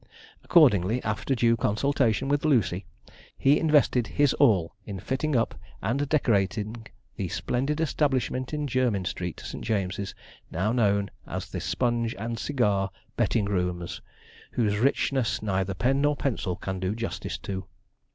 Accordingly, after due consultation with Lucy, he invested his all in fitting up and decorating the splendid establishment in Jermyn Street, St. James's, now known as the SPONGE AND CIGAR BETTING ROOMS, whose richness neither pen nor pencil can do justice to.